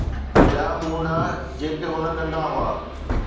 ٻيا به هوندا، جيڪي هن ڪندا هئا